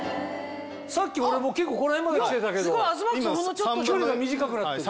さっき俺結構この辺まで来てたけど距離が短くなってる。